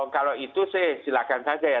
kalau itu silahkan saja ya